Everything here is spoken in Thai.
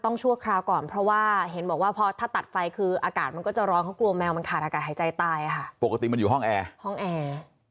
นี่นี่นี่นี่นี่นี่นี่นี่นี่นี่